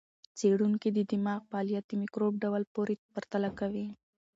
څېړونکي د دماغ فعالیت د مایکروب ډول پورې پرتله کوي.